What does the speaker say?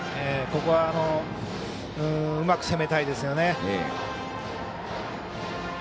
ここはうまく攻めたいですよね。